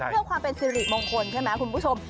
เพื่อความเป็นสิริมงคลใช่ไหมคุณผู้ชม